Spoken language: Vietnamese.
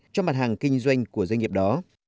trong mặt hàng kinh doanh của doanh nghiệp đó